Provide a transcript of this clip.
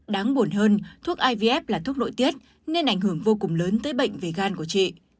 đáng buồn hơn thuốc ivf là thuốc nội tiết nên ảnh hưởng vô cùng lớn tới bệnh về gan của chị